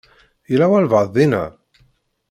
Yella walebɛaḍ dinna?